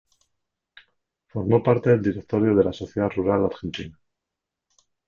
Formó parte del directorio de la Sociedad Rural Argentina.